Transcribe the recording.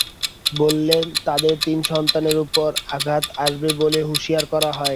বললে তাঁদের তিন সন্তানের ওপর আঘাত আসবে বলে হুঁশিয়ার করা হয়।